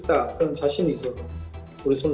saya juga menarik dari thailand